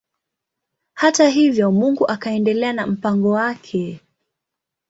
Hata hivyo Mungu akaendelea na mpango wake.